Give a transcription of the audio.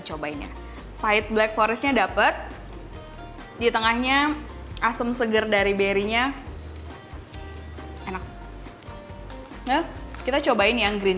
cobain ya pahit black forest nya dapet di tengahnya asam seger dari berinya enak kita cobain yang green